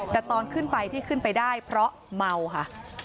แต่ตอนขึ้นไปที่ขึ้นไปได้เพราะเมาค่ะ